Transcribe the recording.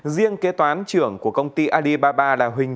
riêng kế toán trưởng của công ty alibaba là huỳnh